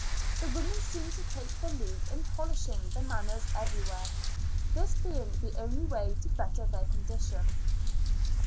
The women seem to take the lead in polishing the manners everywhere, this being the only way to better their condition.